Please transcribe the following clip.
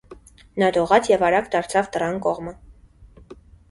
Նա դողաց և արագ դարձավ դռան կողմը: